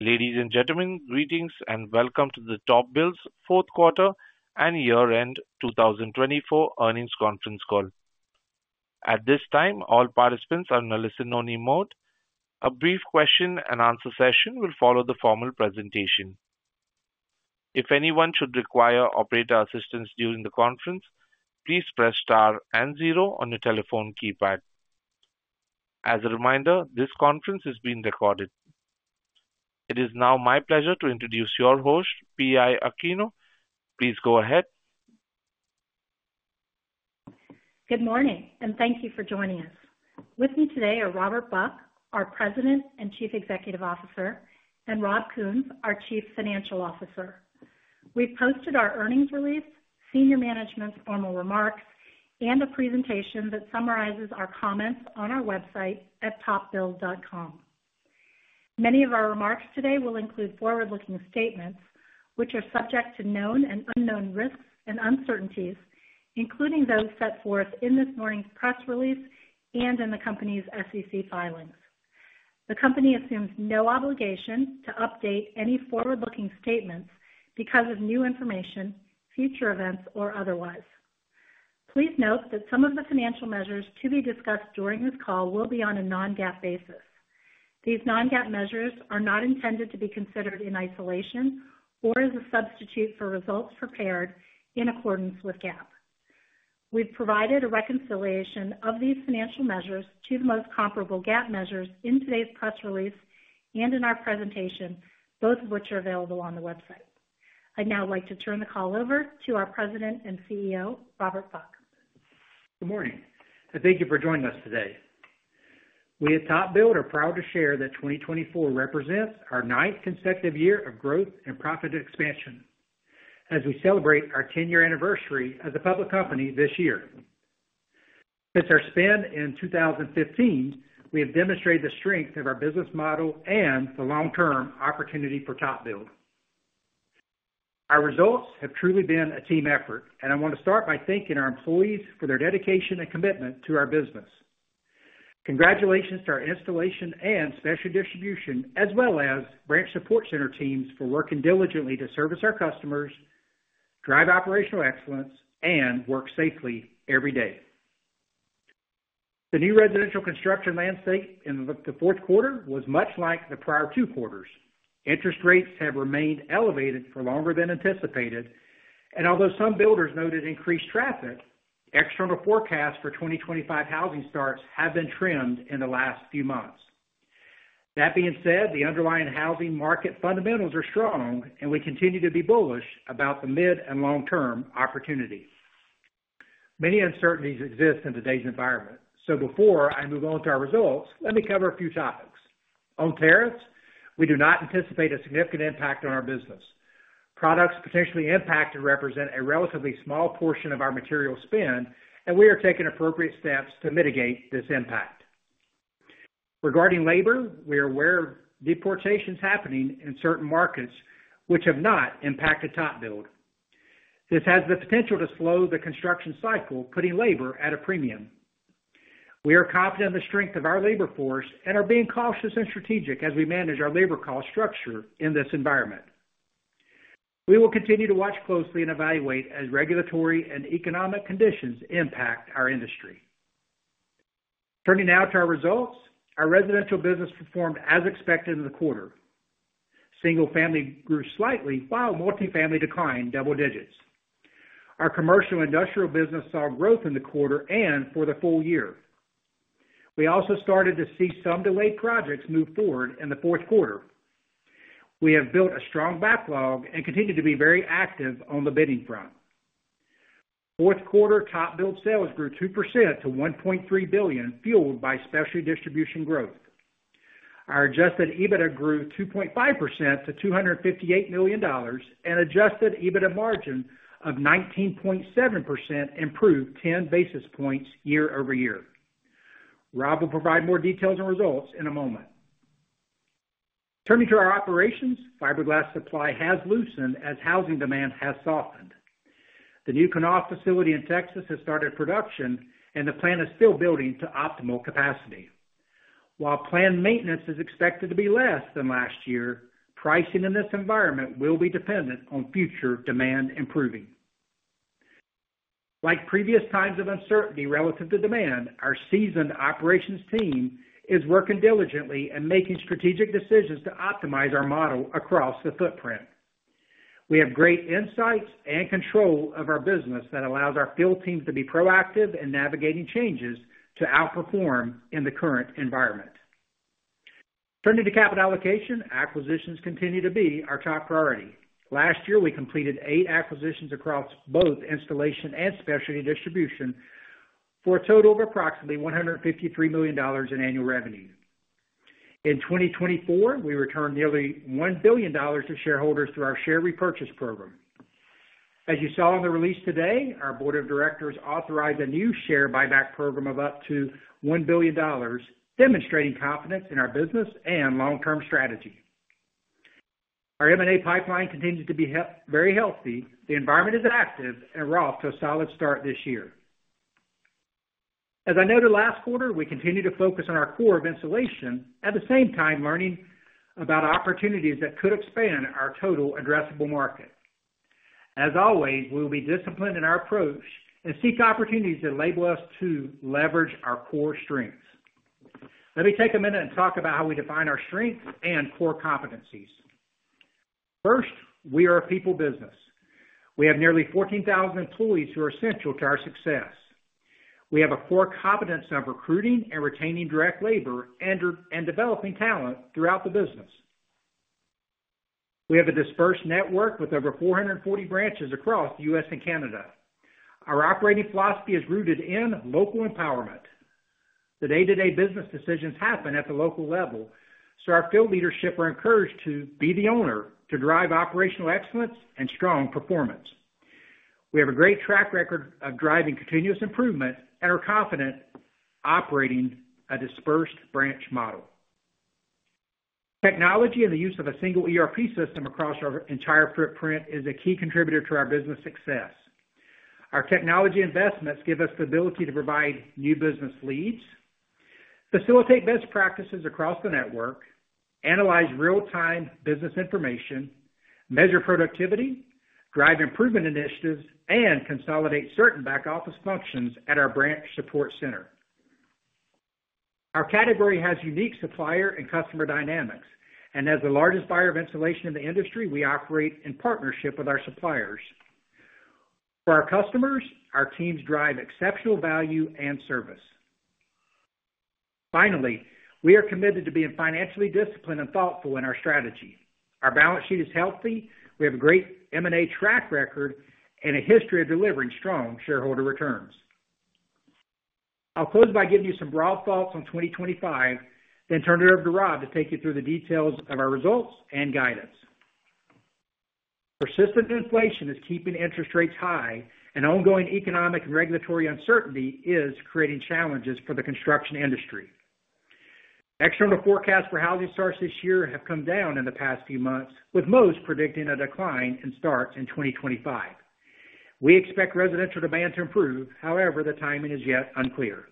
Ladies and gentlemen, greetings and welcome to the TopBuild's 4th Quarter and Year-End 2024 Earnings Conference Call. At this time, all participants are in a listen-only mode. A brief question-and-answer session will follow the formal presentation. If anyone should require operator assistance during the conference, please press star and zero on your telephone keypad. As a reminder, this conference is being recorded. It is now my pleasure to introduce your host, PI Aquino. Please go ahead. Good morning, and thank you for joining us. With me today are Robert Buck, our President and Chief Executive Officer, and Rob Kuhns, our Chief Financial Officer. We've posted our earnings release, senior management's formal remarks, and a presentation that summarizes our comments on our website at topbuild.com. Many of our remarks today will include forward-looking statements, which are subject to known and unknown risks and uncertainties, including those set forth in this morning's press release and in the company's SEC filings. The company assumes no obligation to update any forward-looking statements because of new information, future events, or otherwise. Please note that some of the financial measures to be discussed during this call will be on a non-GAAP basis. These non-GAAP measures are not intended to be considered in isolation or as a substitute for results prepared in accordance with GAAP. We've provided a reconciliation of these financial measures to the most comparable GAAP measures in today's press release and in our presentation, both of which are available on the website. I'd now like to turn the call over to our President and CEO, Robert Buck. Good morning, and thank you for joining us today. We at TopBuild are proud to share that 2024 represents our ninth consecutive year of growth and profit expansion as we celebrate our 10-year anniversary as a public company this year. Since our spin-off in 2015, we have demonstrated the strength of our business model and the long-term opportunity for TopBuild. Our results have truly been a team effort, and I want to start by thanking our employees for their dedication and commitment to our business. Congratulations to our Installation and Specialty Distribution, as well as Branch Support Center teams for working diligently to service our customers, drive operational excellence, and work safely every day. The new residential construction landscape in the fourth quarter was much like the prior two quarters. Interest rates have remained elevated for longer than anticipated, and although some builders noted increased traffic, external forecasts for 2025 housing starts have been trimmed in the last few months. That being said, the underlying housing market fundamentals are strong, and we continue to be bullish about the mid and long-term opportunity. Many uncertainties exist in today's environment, so before I move on to our results, let me cover a few topics. On tariffs, we do not anticipate a significant impact on our business. Products potentially impacted represent a relatively small portion of our material spend, and we are taking appropriate steps to mitigate this impact. Regarding labor, we are aware of deportations happening in certain markets, which have not impacted TopBuild. This has the potential to slow the construction cycle, putting labor at a premium. We are confident in the strength of our labor force and are being cautious and strategic as we manage our labor cost structure in this environment. We will continue to watch closely and evaluate as regulatory and economic conditions impact our industry. Turning now to our results, our residential business performed as expected in the quarter. Single-family grew slightly, while multifamily declined double digits. Our commercial and industrial business saw growth in the quarter and for the full year. We also started to see some delayed projects move forward in the fourth quarter. We have built a strong backlog and continue to be very active on the bidding front. Fourth quarter TopBuild sales grew 2% to $1.3 billion, fueled by Specialty Distribution growth. Our Adjusted EBITDA grew 2.5% to $258 million and Adjusted EBITDA margin of 19.7% improved 10 basis points year over year. Rob will provide more details and results in a moment. Turning to our operations, fiberglass supply has loosened as housing demand has softened. The new Knauf facility in Texas has started production, and the plant is still building to optimal capacity. While planned maintenance is expected to be less than last year, pricing in this environment will be dependent on future demand improving. Like previous times of uncertainty relative to demand, our seasoned operations team is working diligently and making strategic decisions to optimize our model across the footprint. We have great insights and control of our business that allows our field teams to be proactive in navigating changes to outperform in the current environment. Turning to capital allocation, acquisitions continue to be our top priority. Last year, we completed eight acquisitions across both Installation and Specialty Distribution for a total of approximately $153 million in annual revenue. In 2024, we returned nearly $1 billion to shareholders through our share repurchase program. As you saw in the release today, our board of directors authorized a new share buyback program of up to $1 billion, demonstrating confidence in our business and long-term strategy. Our M&A pipeline continues to be very healthy. The environment is active, and we're off to a solid start this year. As I noted last quarter, we continue to focus on our core of installation at the same time learning about opportunities that could expand our total addressable market. As always, we will be disciplined in our approach and seek opportunities that enable us to leverage our core strengths. Let me take a minute and talk about how we define our strengths and core competencies. First, we are a people business. We have nearly 14,000 employees who are essential to our success. We have a core competence of recruiting and retaining direct labor and developing talent throughout the business. We have a dispersed network with over 440 branches across the U.S. and Canada. Our operating philosophy is rooted in local empowerment. The day-to-day business decisions happen at the local level, so our field leadership are encouraged to be the owner to drive operational excellence and strong performance. We have a great track record of driving continuous improvement and are confident operating a dispersed branch model. Technology and the use of a single ERP system across our entire footprint is a key contributor to our business success. Our technology investments give us the ability to provide new business leads, facilitate best practices across the network, analyze real-time business information, measure productivity, drive improvement initiatives, and consolidate certain back-office functions at our Branch Support Center. Our category has unique supplier and customer dynamics, and as the largest buyer of installation in the industry, we operate in partnership with our suppliers. For our customers, our teams drive exceptional value and service. Finally, we are committed to being financially disciplined and thoughtful in our strategy. Our balance sheet is healthy. We have a great M&A track record and a history of delivering strong shareholder returns. I'll close by giving you some broad thoughts on 2025, then turn it over to Rob to take you through the details of our results and guidance. Persistent inflation is keeping interest rates high, and ongoing economic and regulatory uncertainty is creating challenges for the construction industry. External forecasts for housing starts this year have come down in the past few months, with most predicting a decline in starts in 2025. We expect residential demand to improve. However, the timing is yet unclear.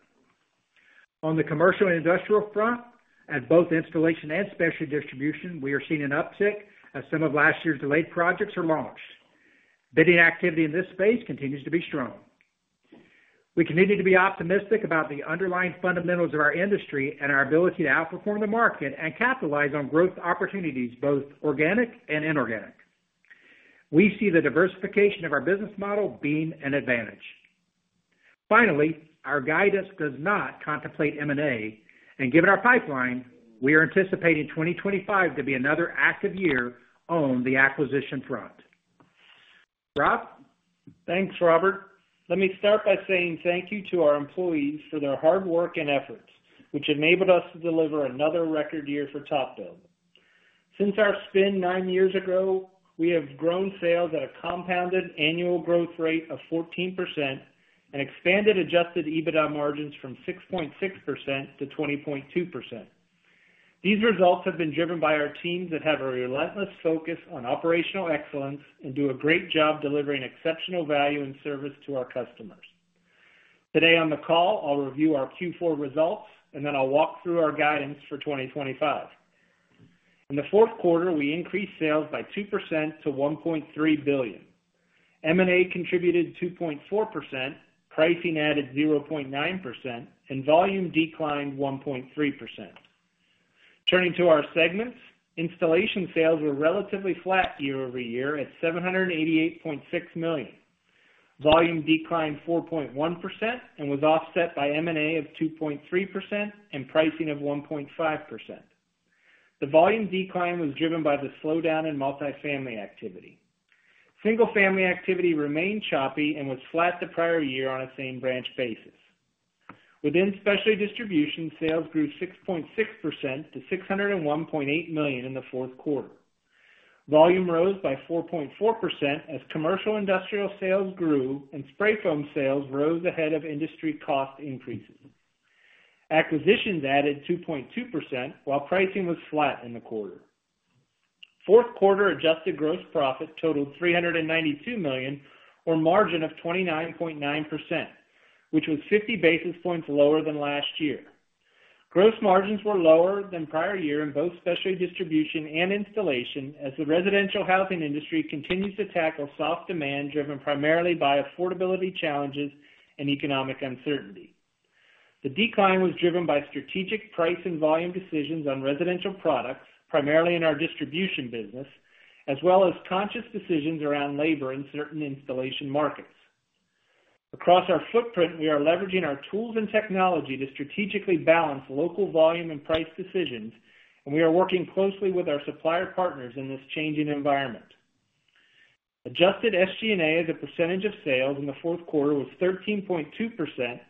On the commercial and industrial front, at both Installation and Specialty Distribution, we are seeing an uptick as some of last year's delayed projects are launched. Bidding activity in this space continues to be strong. We continue to be optimistic about the underlying fundamentals of our industry and our ability to outperform the market and capitalize on growth opportunities, both organic and inorganic. We see the diversification of our business model being an advantage. Finally, our guidance does not contemplate M&A, and given our pipeline, we are anticipating 2025 to be another active year on the acquisition front. Rob? Thanks, Robert. Let me start by saying thank you to our employees for their hard work and efforts, which enabled us to deliver another record year for TopBuild. Since our spin nine years ago, we have grown sales at a compounded annual growth rate of 14% and expanded Adjusted EBITDA margins from 6.6% to 20.2%. These results have been driven by our teams that have a relentless focus on operational excellence and do a great job delivering exceptional value and service to our customers. Today on the call, I'll review our Q4 results, and then I'll walk through our guidance for 2025. In the fourth quarter, we increased sales by 2% to $1.3 billion. M&A contributed 2.4%, pricing added 0.9%, and volume declined 1.3%. Turning to our segments, installation sales were relatively flat year over year at $788.6 million. Volume declined 4.1% and was offset by M&A of 2.3% and pricing of 1.5%. The volume decline was driven by the slowdown in multifamily activity. Single-family activity remained choppy and was flat the prior year on a same branch basis. Within Specialty Distribution, sales grew 6.6% to $601.8 million in the fourth quarter. Volume rose by 4.4% as commercial industrial sales grew and spray foam sales rose ahead of industry cost increases. Acquisitions added 2.2% while pricing was flat in the quarter. Fourth quarter Adjusted Gross Profit totaled $392 million, or margin of 29.9%, which was 50 basis points lower than last year. Gross margins were lower than prior year in both Specialty Distribution and installation as the residential housing industry continues to tackle soft demand driven primarily by affordability challenges and economic uncertainty. The decline was driven by strategic price and volume decisions on residential products, primarily in our distribution business, as well as conscious decisions around labor in certain installation markets. Across our footprint, we are leveraging our tools and technology to strategically balance local volume and price decisions, and we are working closely with our supplier partners in this changing environment. Adjusted SG&A as a percentage of sales in the fourth quarter was 13.2%,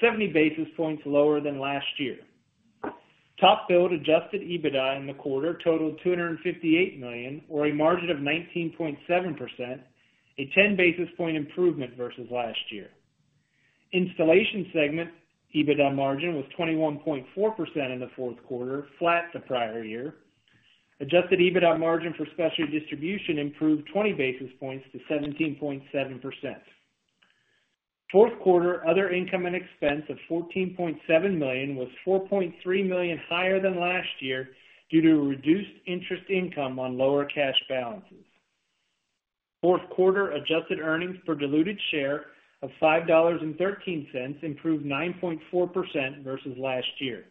70 basis points lower than last year. TopBuild Adjusted EBITDA in the quarter totaled $258 million, or a margin of 19.7%, a 10 basis point improvement versus last year. Installation segment EBITDA margin was 21.4% in the fourth quarter, flat the prior year. Adjusted EBITDA margin for Specialty distribution improved 20 basis points to 17.7%. Fourth quarter other income and expense of $14.7 million was $4.3 million higher than last year due to reduced interest income on lower cash balances. Fourth quarter Adjusted Earnings Per Diluted Share of $5.13 improved 9.4% versus last year.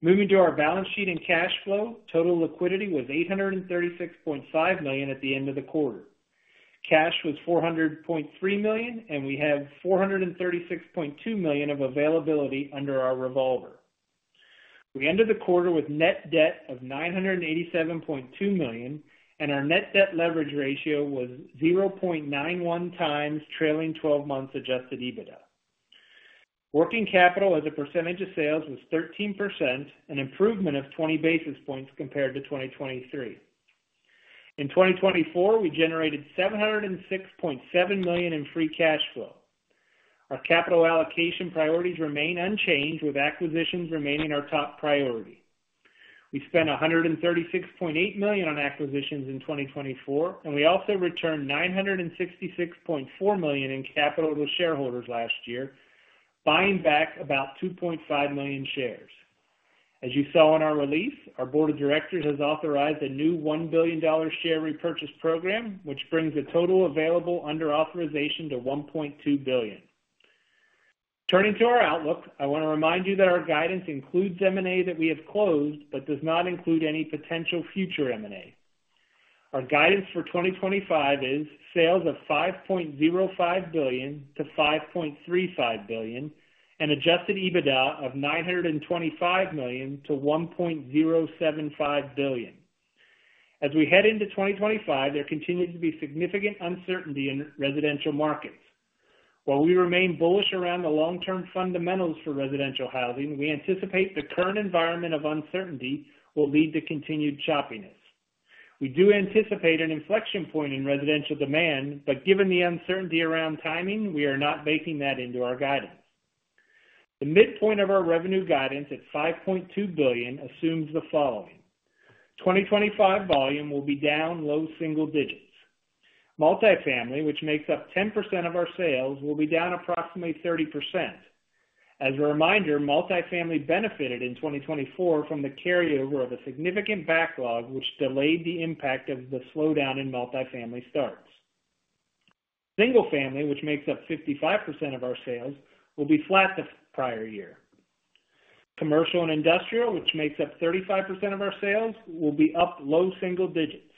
Moving to our balance sheet and cash flow, total liquidity was $836.5 million at the end of the quarter. Cash was $400.3 million, and we have $436.2 million of availability under our revolver. We ended the quarter with net debt of $987.2 million, and our net debt leverage ratio was 0.91 times trailing 12 months Adjusted EBITDA. Working capital as a percentage of sales was 13%, an improvement of 20 basis points compared to 2023. In 2024, we generated $706.7 million in free cash flow. Our capital allocation priorities remain unchanged, with acquisitions remaining our top priority. We spent $136.8 million on acquisitions in 2024, and we also returned $966.4 million in capital to shareholders last year, buying back about 2.5 million shares. As you saw in our release, our board of directors has authorized a new $1 billion share repurchase program, which brings the total available under authorization to $1.2 billion. Turning to our outlook, I want to remind you that our guidance includes M&A that we have closed but does not include any potential future M&A. Our guidance for 2025 is sales of $5.05 billion to $5.35 billion and Adjusted EBITDA of $925 million to $1.075 billion. As we head into 2025, there continues to be significant uncertainty in residential markets. While we remain bullish around the long-term fundamentals for residential housing, we anticipate the current environment of uncertainty will lead to continued choppiness. We do anticipate an inflection point in residential demand, but given the uncertainty around timing, we are not baking that into our guidance. The midpoint of our revenue guidance at $5.2 billion assumes the following: 2025 volume will be down low single digits. Multifamily, which makes up 10% of our sales, will be down approximately 30%. As a reminder, multifamily benefited in 2024 from the carryover of a significant backlog, which delayed the impact of the slowdown in multifamily starts. Single-family, which makes up 55% of our sales, will be flat the prior year. Commercial and industrial, which makes up 35% of our sales, will be up low single digits.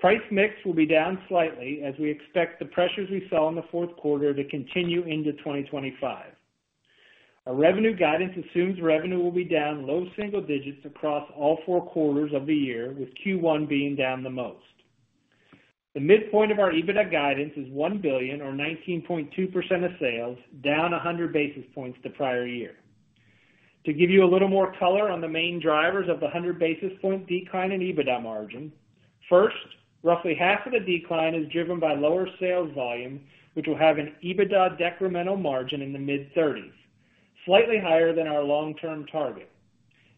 Price mix will be down slightly as we expect the pressures we saw in the fourth quarter to continue into 2025. Our revenue guidance assumes revenue will be down low single digits across all four quarters of the year, with Q1 being down the most. The midpoint of our EBITDA guidance is $1 billion, or 19.2% of sales, down 100 basis points the prior year. To give you a little more color on the main drivers of the 100 basis point decline in EBITDA margin, first, roughly half of the decline is driven by lower sales volume, which will have an EBITDA decremental margin in the mid-30s, slightly higher than our long-term target.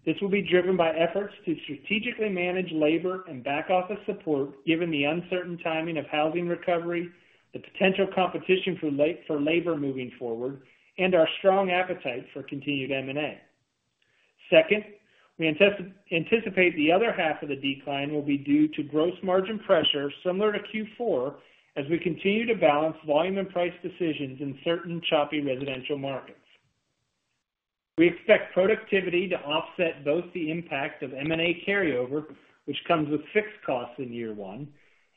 This will be driven by efforts to strategically manage labor and back-office support, given the uncertain timing of housing recovery, the potential competition for labor moving forward, and our strong appetite for continued M&A. Second, we anticipate the other half of the decline will be due to gross margin pressure similar to Q4 as we continue to balance volume and price decisions in certain choppy residential markets. We expect productivity to offset both the impact of M&A carryover, which comes with fixed costs in year one,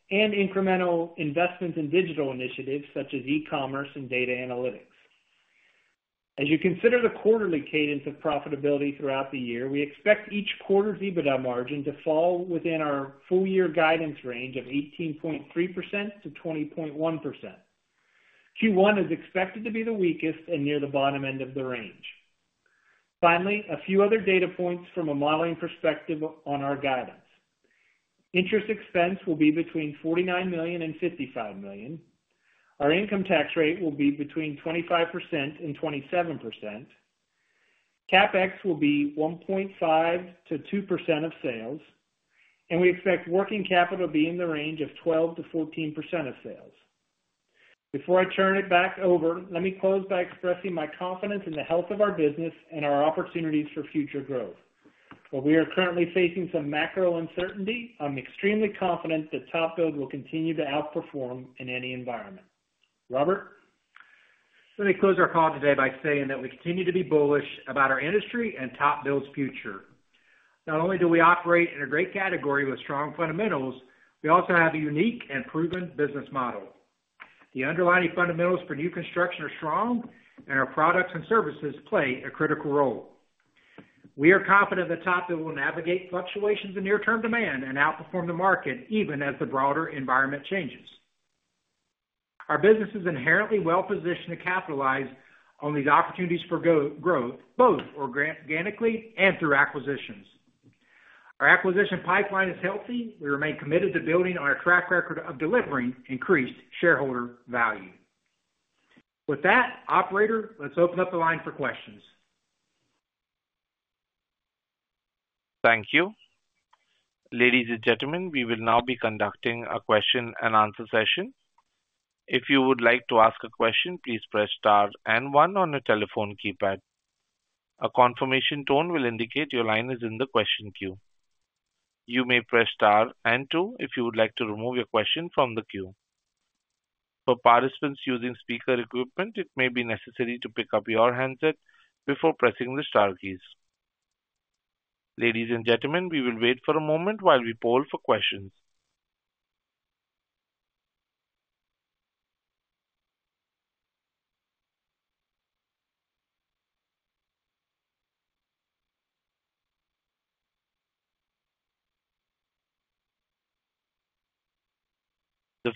and incremental investments in digital initiatives such as e-commerce and data analytics. As you consider the quarterly cadence of profitability throughout the year, we expect each quarter's EBITDA margin to fall within our full-year guidance range of 18.3% to 20.1%. Q1 is expected to be the weakest and near the bottom end of the range. Finally, a few other data points from a modeling perspective on our guidance. Interest expense will be between $49 million and $55 million. Our income tax rate will be between 25% and 27%. CapEx will be 1.5% to 2% of sales, and we expect working capital to be in the range of 12% to 14% of sales. Before I turn it back over, let me close by expressing my confidence in the health of our business and our opportunities for future growth. While we are currently facing some macro uncertainty, I'm extremely confident that TopBuild will continue to outperform in any environment. Robert? Let me close our call today by saying that we continue to be bullish about our industry and TopBuild's future. Not only do we operate in a great category with strong fundamentals, we also have a unique and proven business model. The underlying fundamentals for new construction are strong, and our products and services play a critical role. We are confident that TopBuild will navigate fluctuations in near-term demand and outperform the market even as the broader environment changes. Our business is inherently well-positioned to capitalize on these opportunities for growth, both organically and through acquisitions. Our acquisition pipeline is healthy. We remain committed to building on our track record of delivering increased shareholder value. With that, Operator, let's open up the line for questions. Thank you. Ladies and gentlemen, we will now be conducting a question and answer session. If you would like to ask a question, please press star and one on your telephone keypad. A confirmation tone will indicate your line is in the question queue. You may press star and two if you would like to remove your question from the queue. For participants using speaker equipment, it may be necessary to pick up your handset before pressing the star keys. Ladies and gentlemen, we will wait for a moment while we poll for questions.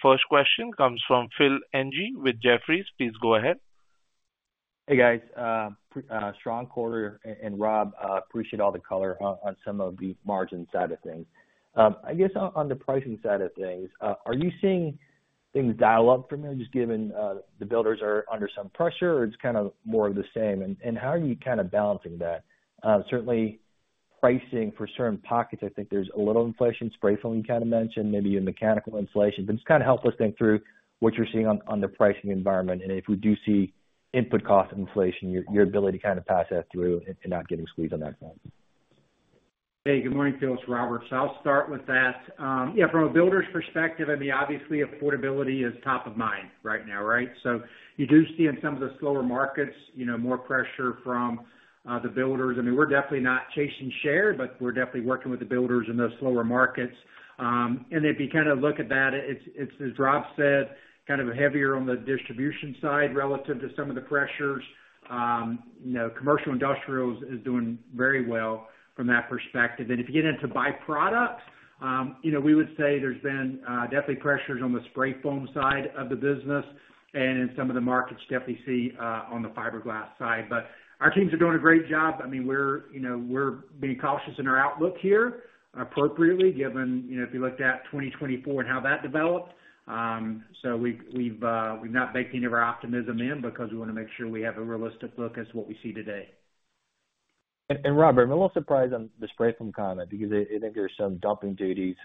The first question comes from Phil Ng with Jefferies. Please go ahead. Hey, guys. Strong quarter, and Rob, appreciate all the color on some of the margin side of things. I guess on the pricing side of things, are you seeing things dial up from here, just given the builders are under some pressure, or it's kind of more of the same? And how are you kind of balancing that? Certainly, pricing for certain pockets, I think there's a little inflation, spray foam you kind of mentioned, maybe even mechanical insulation, but just kind of help us think through what you're seeing on the pricing environment. And if we do see input cost inflation, your ability to kind of pass that through and not getting squeezed on that front. Hey, good morning, Phil. It's Robert. So I'll start with that. Yeah, from a builder's perspective, I mean, obviously, affordability is top of mind right now, right? So you do see in some of the slower markets, you know, more pressure from the builders. I mean, we're definitely not chasing share, but we're definitely working with the builders in those slower markets. And if you kind of look at that, it's, as Rob said, kind of heavier on the distribution side relative to some of the pressures. You know, commercial industrial is doing very well from that perspective. And if you get into byproducts, you know, we would say there's been definitely pressures on the spray foam side of the business and in some of the markets definitely see on the fiberglass side. But our teams are doing a great job. I mean, you know, we're being cautious in our outlook here appropriately, given, you know, if you looked at 2024 and how that developed. So we've not baked any of our optimism in because we want to make sure we have a realistic look as to what we see today. Robert, I'm a little surprised on the spray foam comment because I think there's some dumping duties,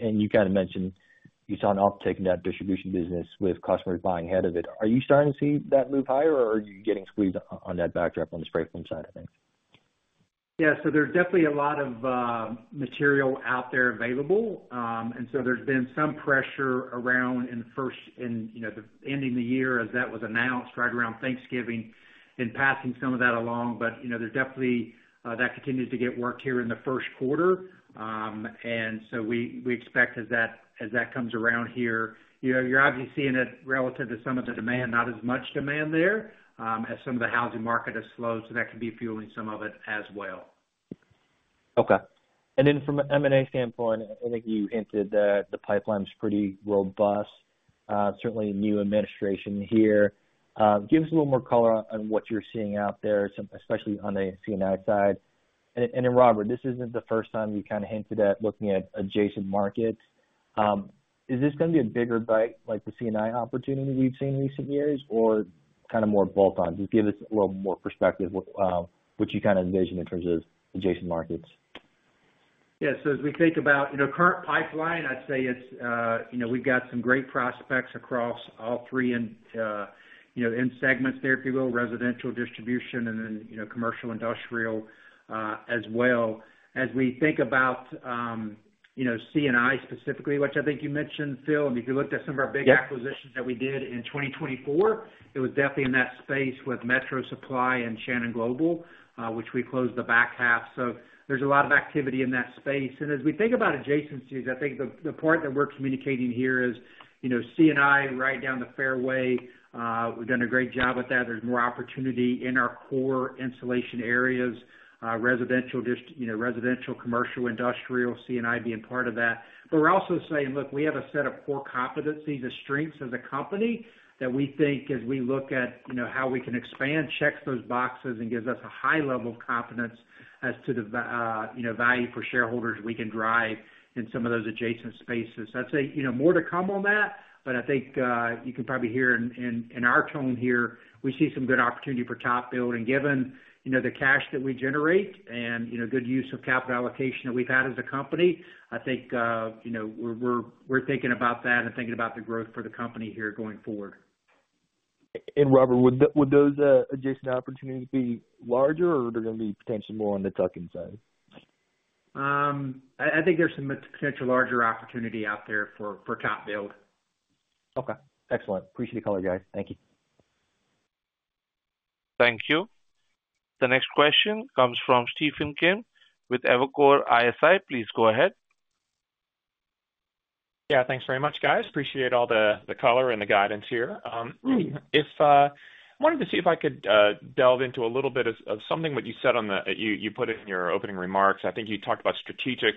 and you kind of mentioned you saw an uptick in that distribution business with customers buying ahead of it. Are you starting to see that move higher, or are you getting squeezed on that backdrop on the spray foam side of things? Yeah, so there's definitely a lot of material out there available, and so there's been some pressure around the end of the year as that was announced right around Thanksgiving and passing some of that along, but you know, there's definitely that continues to get worked here in the first quarter, and so we expect as that comes around here, you're obviously seeing it relative to some of the demand, not as much demand there as some of the housing market has slowed, so that could be fueling some of it as well. Okay. And then from an M&A standpoint, I think you hinted that the pipeline's pretty robust. Certainly, new administration here. Give us a little more color on what you're seeing out there, especially on the C&I side. And then, Robert, this isn't the first time you kind of hinted at looking at adjacent markets. Is this going to be a bigger bite like the C&I opportunity we've seen in recent years, or kind of more bolt-on? Just give us a little more perspective, what you kind of envision in terms of adjacent markets. Yeah, so as we think about, you know, current pipeline, I'd say it's, you know, we've got some great prospects across all three end segments there, if you will, residential, distribution, and then, you know, commercial, industrial as well. As we think about, you know, C&I specifically, which I think you mentioned, Phil, and if you looked at some of our big acquisitions that we did in 2024, it was definitely in that space with Metro Supply and Shannon Global, which we closed the back half. So there's a lot of activity in that space. And as we think about adjacencies, I think the part that we're communicating here is, you know, C&I right down the fairway. We've done a great job with that. There's more opportunity in our core insulation areas, residential, commercial, industrial, C&I being part of that. But we're also saying, look, we have a set of core competencies and strengths as a company that we think, as we look at, you know, how we can expand, checks those boxes, and gives us a high level of confidence as to the, you know, value for shareholders we can drive in some of those adjacent spaces. I'd say, you know, more to come on that, but I think you can probably hear in our tone here, we see some good opportunity for TopBuild, and given, you know, the cash that we generate and, you know, good use of capital allocation that we've had as a company, I think, you know, we're thinking about that and thinking about the growth for the company here going forward. Robert, would those adjacent opportunities be larger, or are they going to be potentially more on the tuck-in side? I think there's some potential larger opportunity out there for TopBuild. Okay. Excellent. Appreciate the color, guys. Thank you. Thank you. The next question comes from Stephen Kim with Evercore ISI. Please go ahead. Yeah, thanks very much, guys. Appreciate all the color and the guidance here. I wanted to see if I could delve into a little bit of something that you said on the, you put in your opening remarks. I think you talked about strategic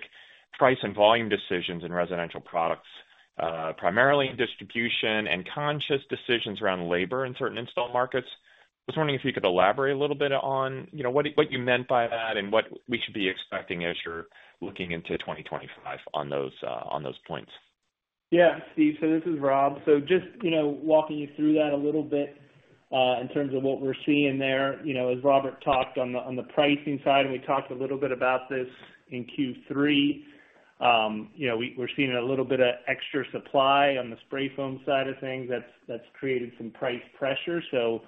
price and volume decisions in residential products, primarily in distribution and conscious decisions around labor in certain install markets. I was wondering if you could elaborate a little bit on, you know, what you meant by that and what we should be expecting as you're looking into 2025 on those points. Yeah, Steve, so this is Rob. So just, you know, walking you through that a little bit in terms of what we're seeing there, you know, as Robert talked on the pricing side, and we talked a little bit about this in Q3. You know, we're seeing a little bit of extra supply on the spray foam side of things that's created some price pressure. So,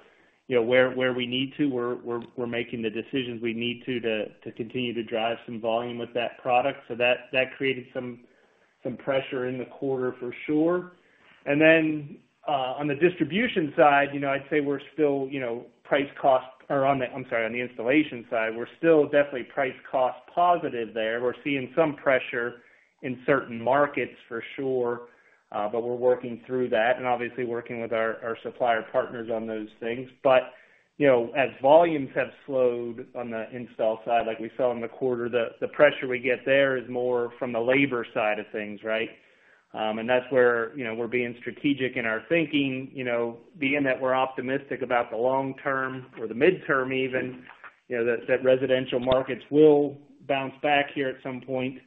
you know, where we need to, we're making the decisions we need to to continue to drive some volume with that product. So that created some pressure in the quarter for sure. And then on the distribution side, you know, I'd say we're still, you know, price cost, or on the, I'm sorry, on the installation side, we're still definitely price cost positive there. We're seeing some pressure in certain markets for sure, but we're working through that and obviously working with our supplier partners on those things, but, you know, as volumes have slowed on the install side, like we saw in the quarter, the pressure we get there is more from the labor side of things, right, and that's where, you know, we're being strategic in our thinking, you know, being that we're optimistic about the long term or the midterm even, you know, that residential markets will bounce back here at some point.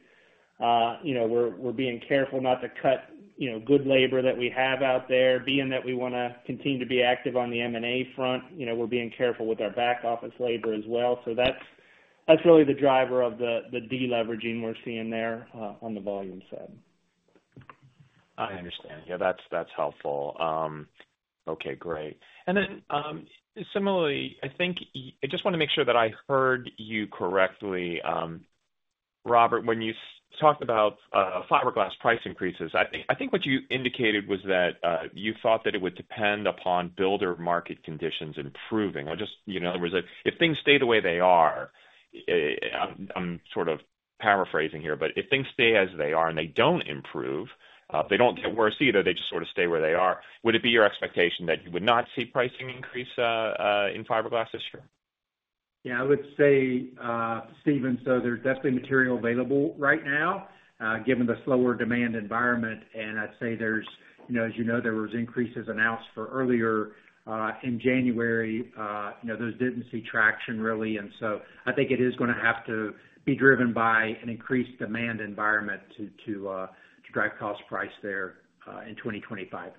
You know, we're being careful not to cut, you know, good labor that we have out there, being that we want to continue to be active on the M&A front. You know, we're being careful with our back-office labor as well, so that's really the driver of the deleveraging we're seeing there on the volume side. I understand. Yeah, that's helpful. Okay, great. And then similarly, I think I just want to make sure that I heard you correctly. Robert, when you talked about fiberglass price increases, I think what you indicated was that you thought that it would depend upon builder market conditions improving. Just, you know, in other words, if things stay the way they are, I'm sort of paraphrasing here, but if things stay as they are and they don't improve, they don't get worse either, they just sort of stay where they are, would it be your expectation that you would not see pricing increase in fiberglass this year? Yeah, I would say, Stephen, so there's definitely material available right now, given the slower demand environment. And I'd say there's, you know, as you know, there were increases announced for earlier in January. You know, those didn't see traction really. And so I think it is going to have to be driven by an increased demand environment to drive cost price there in 2025. Yep.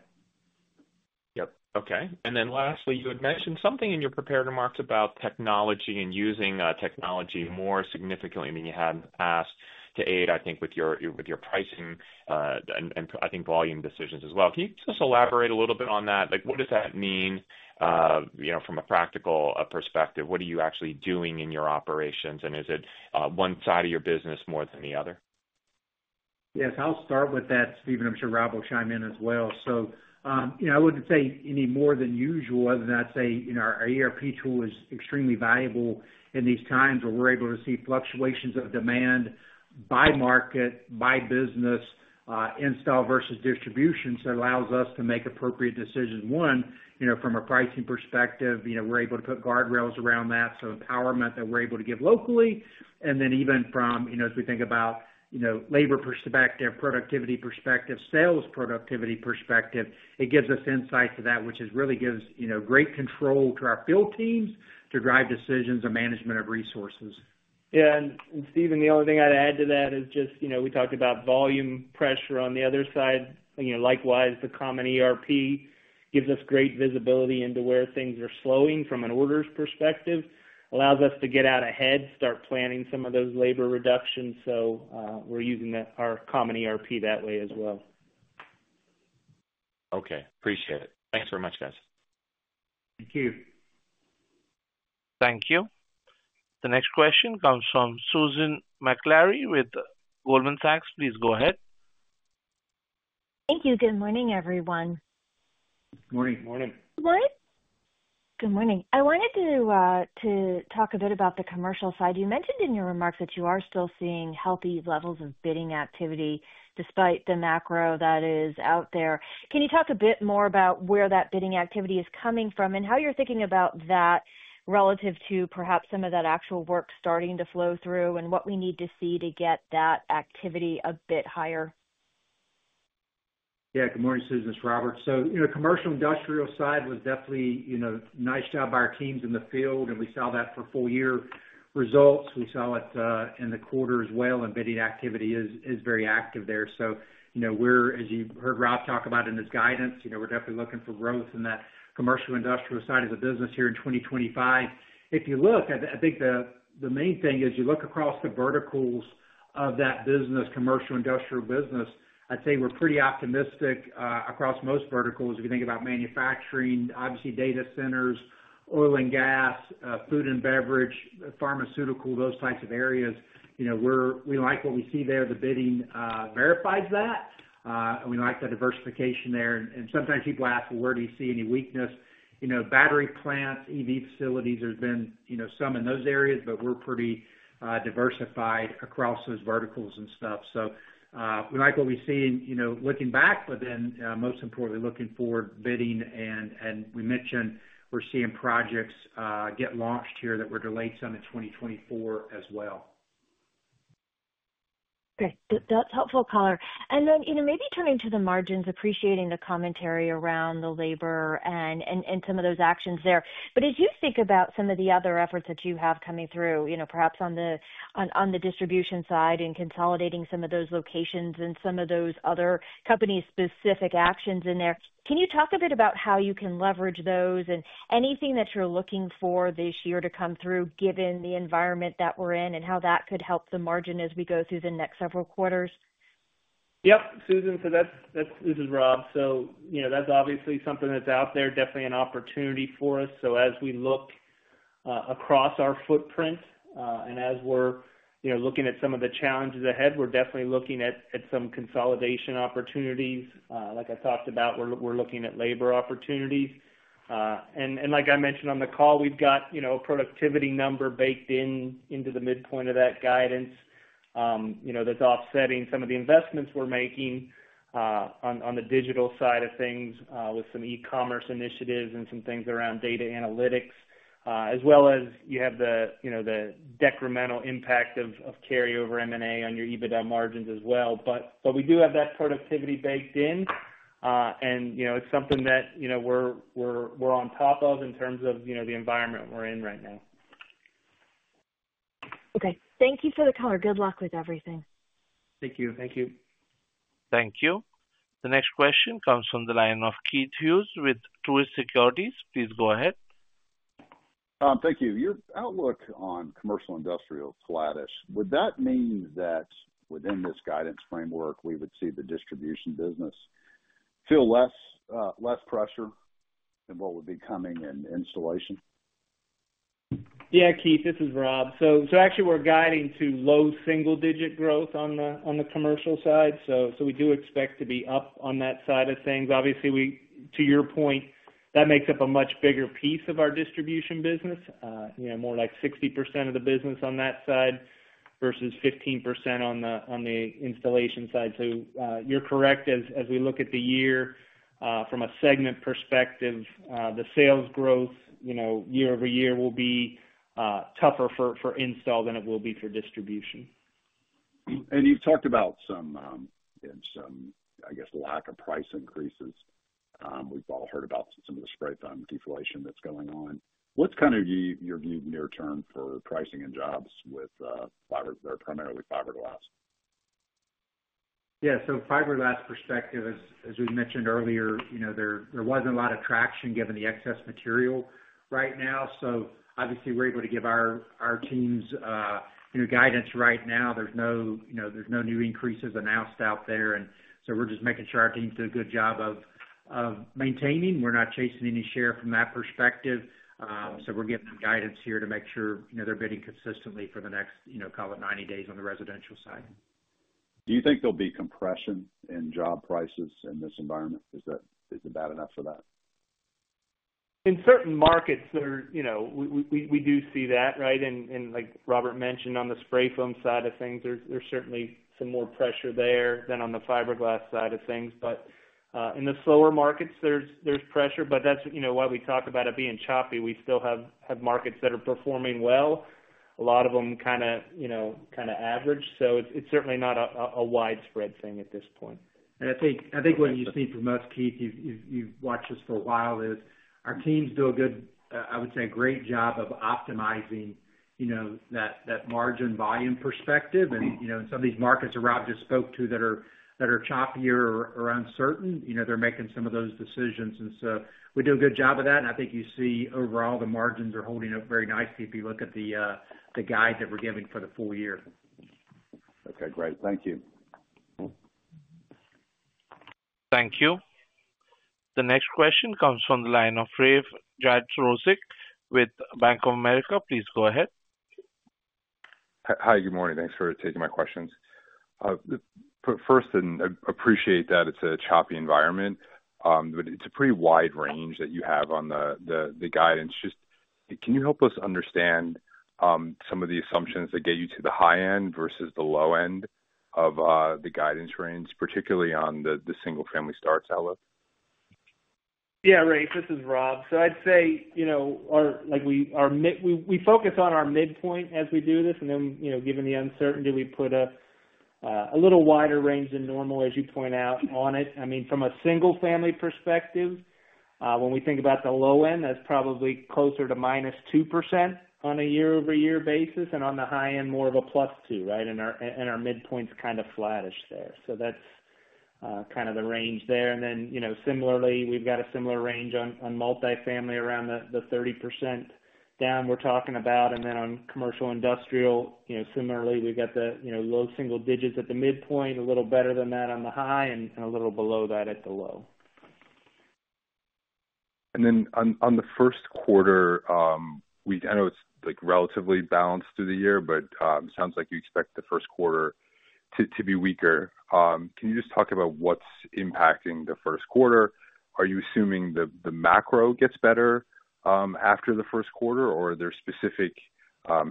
Okay. And then lastly, you had mentioned something in your prepared remarks about technology and using technology more significantly than you had in the past to aid, I think, with your pricing and I think volume decisions as well. Can you just elaborate a little bit on that? Like, what does that mean, you know, from a practical perspective? What are you actually doing in your operations? And is it one side of your business more than the other? Yes, I'll start with that, Stephen. I'm sure Rob will chime in as well. So, you know, I wouldn't say any more than usual, other than I'd say, you know, our ERP tool is extremely valuable in these times where we're able to see fluctuations of demand by market, by business, install versus distribution. So it allows us to make appropriate decisions. One, you know, from a pricing perspective, you know, we're able to put guardrails around that. So empowerment that we're able to give locally. And then even from, you know, as we think about, you know, labor perspective, productivity perspective, sales productivity perspective, it gives us insight to that, which really gives, you know, great control to our field teams to drive decisions and management of resources. Yeah. Stephen, the only thing I'd add to that is just, you know, we talked about volume pressure on the other side. You know, likewise, the common ERP gives us great visibility into where things are slowing from an order's perspective, allows us to get out ahead, start planning some of those labor reductions. So we're using our common ERP that way as well. Okay. Appreciate it. Thanks very much, guys. Thank you. Thank you. The next question comes from Susan Maklari with Goldman Sachs. Please go ahead. Thank you. Good morning, everyone. Good morning. Good morning. Good morning. Good morning. I wanted to talk a bit about the commercial side. You mentioned in your remarks that you are still seeing healthy levels of bidding activity despite the macro that is out there. Can you talk a bit more about where that bidding activity is coming from and how you're thinking about that relative to perhaps some of that actual work starting to flow through and what we need to see to get that activity a bit higher? Yeah, good morning, Susan. It's Robert. So, you know, the commercial industrial side was definitely, you know, niched out by our teams in the field, and we saw that for full year results. We saw it in the quarter as well, and bidding activity is very active there. So, you know, we're, as you heard Rob talk about in his guidance, you know, we're definitely looking for growth in that commercial industrial side of the business here in 2025. If you look, I think the main thing is you look across the verticals of that business, commercial industrial business. I'd say we're pretty optimistic across most verticals. If you think about manufacturing, obviously data centers, oil and gas, food and beverage, pharmaceutical, those types of areas, you know, we like what we see there. The bidding verifies that. We like the diversification there. Sometimes people ask, well, where do you see any weakness? You know, battery plants, EV facilities have been, you know, some in those areas, but we're pretty diversified across those verticals and stuff. So we like what we see, you know, looking back, but then most importantly, looking forward, bidding. We mentioned we're seeing projects get launched here that were delayed some in 2024 as well. Okay. That's helpful color. And then, you know, maybe turning to the margins, appreciating the commentary around the labor and some of those actions there. But as you think about some of the other efforts that you have coming through, you know, perhaps on the distribution side and consolidating some of those locations and some of those other company-specific actions in there, can you talk a bit about how you can leverage those and anything that you're looking for this year to come through, given the environment that we're in, and how that could help the margin as we go through the next several quarters? Yep. Susan, so that's, this is Rob. So, you know, that's obviously something that's out there, definitely an opportunity for us. So as we look across our footprint and as we're, you know, looking at some of the challenges ahead, we're definitely looking at some consolidation opportunities. Like I talked about, we're looking at labor opportunities. And like I mentioned on the call, we've got, you know, a productivity number baked into the midpoint of that guidance, you know, that's offsetting some of the investments we're making on the digital side of things with some e-commerce initiatives and some things around data analytics, as well as you have the, you know, the decremental impact of carryover M&A on your EBITDA margins as well. But we do have that productivity baked in, and, you know, it's something that, you know, we're on top of in terms of, you know, the environment we're in right now. Okay. Thank you for the color. Good luck with everything. Thank you. Thank you. Thank you. The next question comes from the line of Keith Hughes with Truist Securities. Please go ahead. Thank you. Your outlook on commercial industrial slackish. Would that mean that within this guidance framework, we would see the distribution business feel less pressure than what would be coming in installation? Yeah, Keith, this is Rob. So actually, we're guiding to low single-digit growth on the commercial side. So we do expect to be up on that side of things. Obviously, to your point, that makes up a much bigger piece of our distribution business, you know, more like 60% of the business on that side versus 15% on the installation side. So you're correct as we look at the year from a segment perspective, the sales growth, you know, year over year will be tougher for install than it will be for distribution. You've talked about some, I guess, lack of price increases. We've all heard about some of the spray foam deflation that's going on. What's kind of your view near term for pricing and jobs with primarily fiberglass? Yeah. So fiberglass perspective, as we mentioned earlier, you know, there wasn't a lot of traction given the excess material right now. So obviously, we're able to give our teams, you know, guidance right now. There's no new increases announced out there. And so we're just making sure our teams do a good job of maintaining. We're not chasing any share from that perspective. So we're giving them guidance here to make sure, you know, they're bidding consistently for the next, you know, call it 90 days on the residential side. Do you think there'll be compression in job prices in this environment? Is it bad enough for that? In certain markets, you know, we do see that, right? And like Robert mentioned on the spray foam side of things, there's certainly some more pressure there than on the fiberglass side of things. But in the slower markets, there's pressure. But that's, you know, why we talk about it being choppy. We still have markets that are performing well. A lot of them kind of, you know, kind of average. So it's certainly not a widespread thing at this point. And I think what you see from us, Keith, you've watched us for a while, is our teams do a good, I would say, great job of optimizing, you know, that margin volume perspective. And, you know, in some of these markets that Rob just spoke to that are choppier or uncertain, you know, they're making some of those decisions. And so we do a good job of that. I think you see overall the margins are holding up very nicely if you look at the guide that we're giving for the full year. Okay. Great. Thank you. Thank you. The next question comes from the line of Rafe Jadrosich with Bank of America. Please go ahead. Hi, good morning. Thanks for taking my questions. First, I appreciate that it's a choppy environment, but it's a pretty wide range that you have on the guidance. Just can you help us understand some of the assumptions that get you to the high end versus the low end of the guidance range, particularly on the single-family starts? Yeah, Rafe, this is Rob. So I'd say, you know, our focus on our midpoint as we do this, and then, you know, given the uncertainty, we put a little wider range than normal, as you point out, on it. I mean, from a single-family perspective, when we think about the low end, that's probably closer to minus 2% on a year over year basis. And on the high end, more of a plus 2%, right? And our midpoint's kind of flattish there. So that's kind of the range there. And then, you know, similarly, we've got a similar range on multifamily around the 30% down we're talking about. And then on commercial industrial, you know, similarly, we've got the, you know, low single digits at the midpoint, a little better than that on the high, and a little below that at the low. And then on the first quarter, I know it's like relatively balanced through the year, but it sounds like you expect the first quarter to be weaker. Can you just talk about what's impacting the first quarter? Are you assuming the macro gets better after the first quarter, or are there specific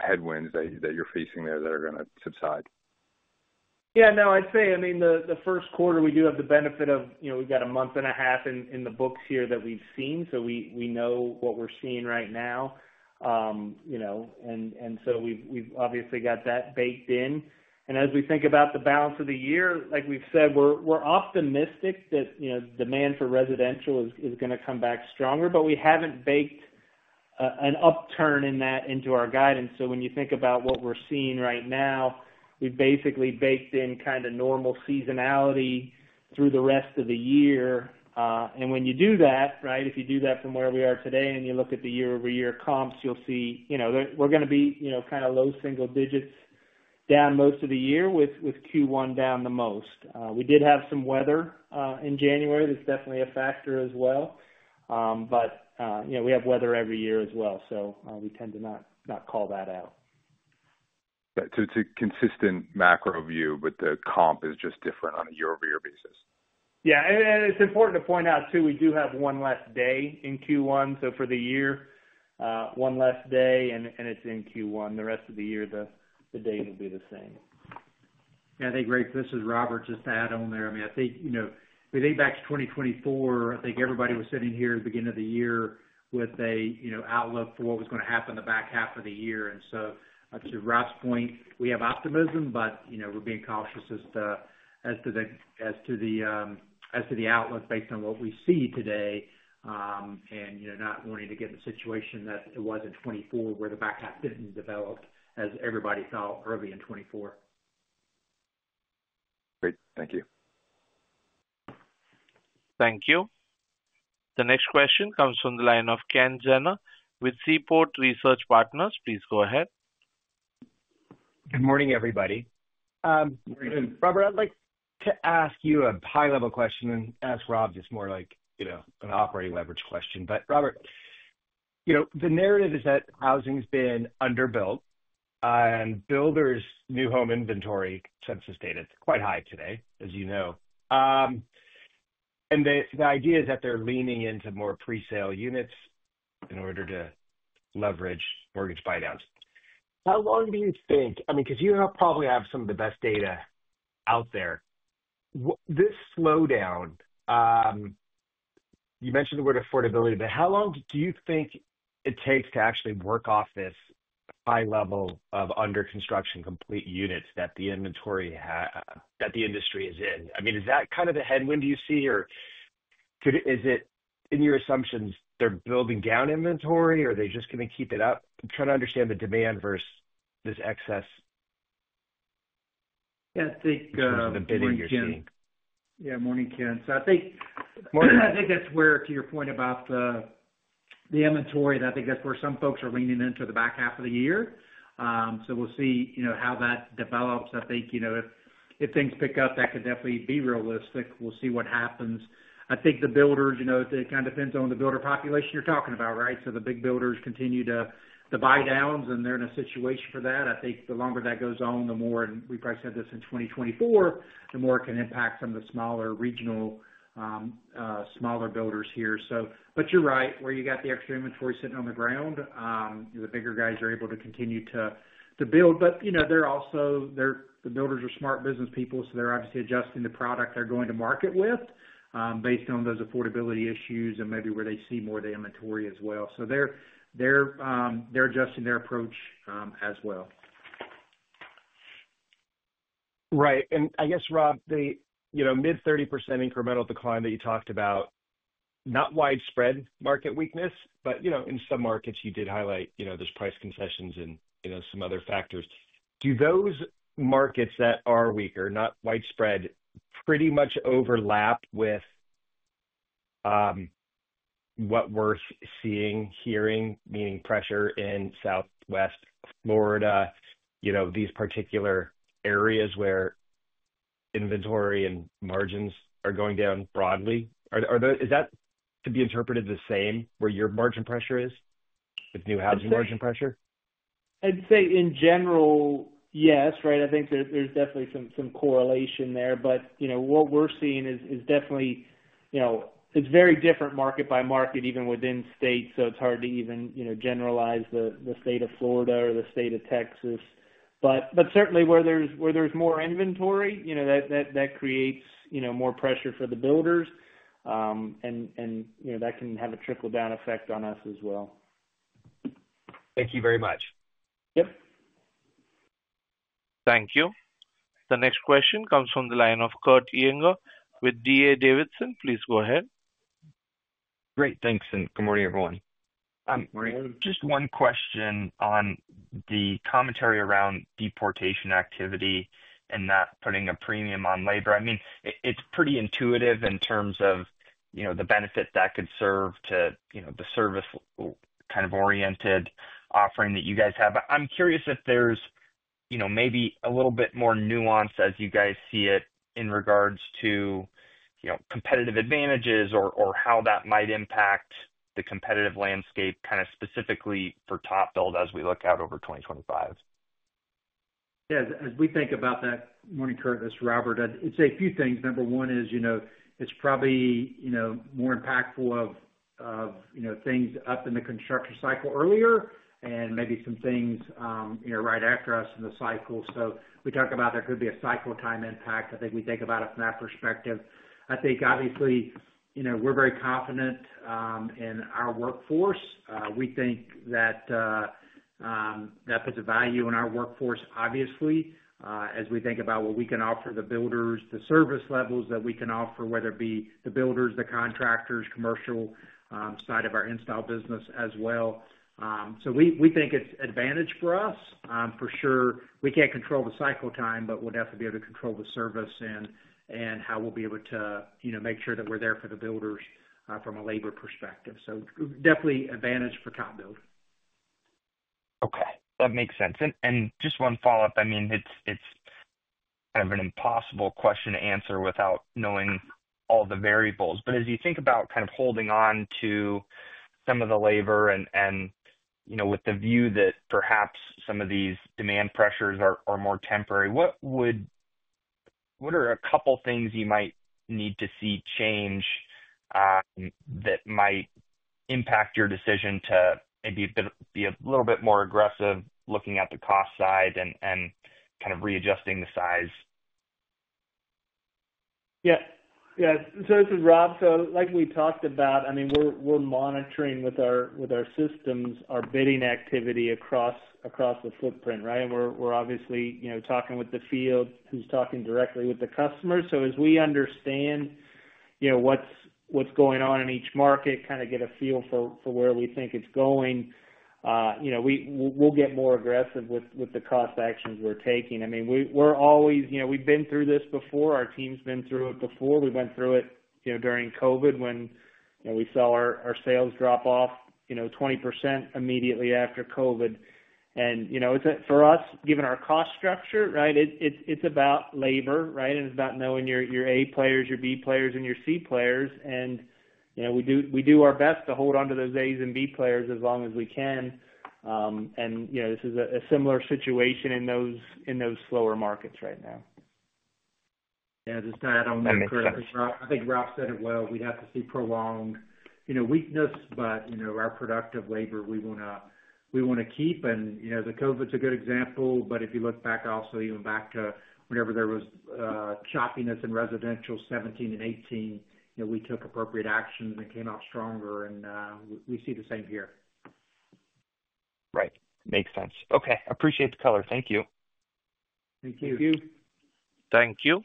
headwinds that you're facing there that are going to subside? Yeah, no, I'd say, I mean, the first quarter, we do have the benefit of, you know, we've got a month and a half in the books here that we've seen. So we know what we're seeing right now, you know, and so we've obviously got that baked in, and as we think about the balance of the year, like we've said, we're optimistic that, you know, demand for residential is going to come back stronger, but we haven't baked an upturn in that into our guidance, so when you think about what we're seeing right now, we've basically baked in kind of normal seasonality through the rest of the year. And when you do that, right, if you do that from where we are today and you look at the year over year comps, you'll see, you know, we're going to be, you know, kind of low single digits down most of the year with Q1 down the most. We did have some weather in January. That's definitely a factor as well. But, you know, we have weather every year as well. So we tend to not call that out. So it's a consistent macro view, but the comp is just different on a year over year basis. Yeah, and it's important to point out too, we do have one less day in Q1. So for the year, one less day, and it's in Q1. The rest of the year, the date will be the same. Yeah, I think, Rafe, this is Robert just to add on there. I mean, I think, you know, if we think back to 2024, I think everybody was sitting here at the beginning of the year with a, you know, outlook for what was going to happen the back half of the year, and so to Rob's point, we have optimism, but, you know, we're being cautious as to the outlook based on what we see today and, you know, not wanting to get in a situation that it was in 2024 where the back half didn't develop as everybody thought early in 2024. Great. Thank you. Thank you. The next question comes from the line of Ken Zener with Seaport Research Partners. Please go ahead. Good morning, everybody. Robert, I'd like to ask you a high-level question and ask Rob just more like, you know, an operating leverage question. But Robert, you know, the narrative is that housing's been underbuilt and builders' new home inventory census data is quite high today, as you know. And the idea is that they're leaning into more pre-sale units in order to leverage mortgage buyouts. How long do you think, I mean, because you probably have some of the best data out there, this slowdown, you mentioned the word affordability, but how long do you think it takes to actually work off this high level of under-construction complete units that the industry is in? I mean, is that kind of a headwind you see? Or is it, in your assumptions, they're building down inventory or are they just going to keep it up? I'm trying to understand the demand versus this excess. Yeah, I think. Of the bidding you're seeing. Yeah, morning, Ken. So I think that's where, to your point about the inventory, I think that's where some folks are leaning into the back half of the year. So we'll see, you know, how that develops. I think, you know, if things pick up, that could definitely be realistic. We'll see what happens. I think the builders, you know, it kind of depends on the builder population you're talking about, right? So the big builders continue to buydowns and they're in a situation for that. I think the longer that goes on, the more, and we probably said this in 2024, the more it can impact some of the smaller regional smaller builders here. So, but you're right where you got the extra inventory sitting on the ground, the bigger guys are able to continue to build. But, you know, they're also, the builders are smart business people, so they're obviously adjusting the product they're going to market with based on those affordability issues and maybe where they see more of the inventory as well, so they're adjusting their approach as well. Right. And I guess, Rob, the, you know, mid 30% incremental decline that you talked about, not widespread market weakness, but, you know, in some markets you did highlight, you know, there's price concessions and, you know, some other factors. Do those markets that are weaker, not widespread, pretty much overlap with what we're seeing, hearing, meaning pressure in Southwest Florida, you know, these particular areas where inventory and margins are going down broadly? Is that to be interpreted the same where your margin pressure is with new housing margin pressure? I'd say in general, yes, right? I think there's definitely some correlation there. But, you know, what we're seeing is definitely, you know, it's very different market by market, even within states. So it's hard to even, you know, generalize the state of Florida or the state of Texas. But certainly where there's more inventory, you know, that creates, you know, more pressure for the builders. And, you know, that can have a trickle-down effect on us as well. Thank you very much. Yep. Thank you. The next question comes from the line of Kurt Yinger with D.A. Davidson. Please go ahead. Great. Thanks, and good morning, everyone. Good morning. Just one question on the commentary around deportation activity and not putting a premium on labor. I mean, it's pretty intuitive in terms of, you know, the benefit that could serve to, you know, the service kind of oriented offering that you guys have. I'm curious if there's, you know, maybe a little bit more nuance as you guys see it in regards to, you know, competitive advantages or how that might impact the competitive landscape kind of specifically for TopBuild as we look out over 2025? Yeah, as we think about that, morning, Kurt and this Robert, I'd say a few things. Number one is, you know, it's probably, you know, more impactful of, you know, things up in the construction cycle earlier and maybe some things, you know, right after us in the cycle. So we talk about there could be a cycle time impact. I think we think about it from that perspective. I think obviously, you know, we're very confident in our workforce. We think that that puts a value in our workforce, obviously, as we think about what we can offer the builders, the service levels that we can offer, whether it be the builders, the contractors, commercial side of our install business as well. So we think it's advantage for us. For sure, we can't control the cycle time, but we'll definitely be able to control the service and how we'll be able to, you know, make sure that we're there for the builders from a labor perspective. So definitely advantage for TopBuild. Okay. That makes sense. And just one follow-up. I mean, it's kind of an impossible question to answer without knowing all the variables. But as you think about kind of holding on to some of the labor and, you know, with the view that perhaps some of these demand pressures are more temporary, what are a couple of things you might need to see change that might impact your decision to maybe be a little bit more aggressive looking at the cost side and kind of readjusting the size? Yeah. Yeah. So this is Rob. So like we talked about, I mean, we're monitoring with our systems our bidding activity across the footprint, right? And we're obviously, you know, talking with the field, who's talking directly with the customers. So as we understand, you know, what's going on in each market, kind of get a feel for where we think it's going, you know, we'll get more aggressive with the cost actions we're taking. I mean, we're always, you know, we've been through this before. Our team's been through it before. We went through it, you know, during COVID when, you know, we saw our sales drop off, you know, 20% immediately after COVID. And, you know, for us, given our cost structure, right, it's about labor, right? And it's about knowing your A players, your B players, and your C players. You know, we do our best to hold on to those A's and B players as long as we can. You know, this is a similar situation in those slower markets right now. Yeah, just to add on there, Kurt and I think Rob said it well. We'd have to see prolonged, you know, weakness, but, you know, our productive labor we want to keep. You know, the COVID's a good example, but if you look back also, even back to whenever there was choppiness in residential 2017 and 2018, you know, we took appropriate actions and came out stronger. We see the same here. Right. Makes sense. Okay. Appreciate the color. Thank you. Thank you. Thank you, Thank you.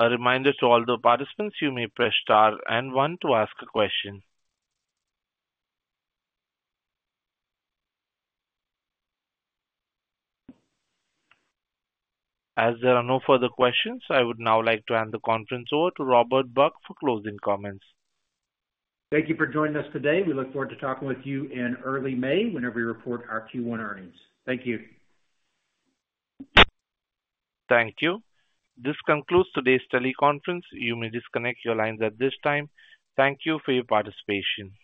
A reminder to all the participants, you may press star and one to ask a question. As there are no further questions, I would now like to hand the conference over to Robert Buck for closing comments. Thank you for joining us today. We look forward to talking with you in early May whenever we report our Q1 earnings. Thank you. Thank you. This concludes today's teleconference. You may disconnect your lines at this time. Thank you for your participation.